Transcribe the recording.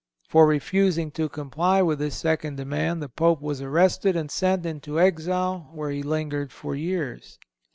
For refusing to comply with this second demand the Pope was arrested and sent into exile, where he lingered for years.